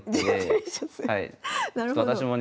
はい。